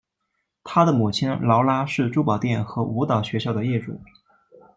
她的母亲劳拉是珠宝店和舞蹈学校的业主。